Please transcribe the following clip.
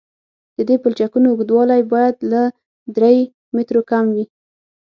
د دې پلچکونو اوږدوالی باید له درې مترو کم وي